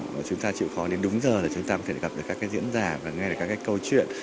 mà chúng ta chịu khó đến đúng giờ là chúng ta có thể gặp được các diễn giả và nghe được các câu chuyện